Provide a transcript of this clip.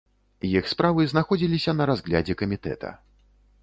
Іх справы знаходзіліся на разглядзе камітэта.